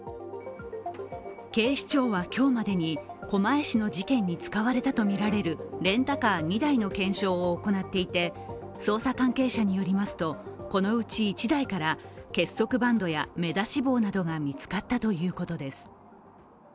警視庁は今日までに狛江市の事件に使われたとみられるレンタカー２台の検証を行っていて捜査関係者によりますと、このうち１台から結束バンドや目出し帽などが見つかったということです。